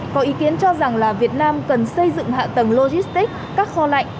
có ý kiến cho rằng là việt nam cần xây dựng hạ tầng logistics các kho lạnh